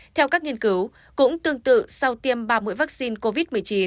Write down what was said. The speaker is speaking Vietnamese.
theo các nghiên cứu cũng tương tự sau tiêm ba mũi vaccine covid một mươi chín